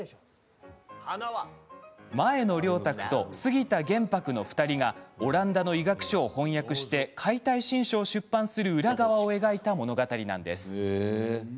前野良沢と杉田玄白の２人がオランダの医学書を翻訳して「解体新書」を出版する裏側を描いた物語です。